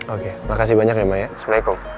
oke makasih banyak ya mbak ya assalamualaikum